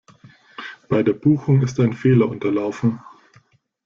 Bei der Buchung ist ein Fehler unterlaufen.